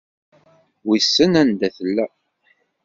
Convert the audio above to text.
Wissen anda tella.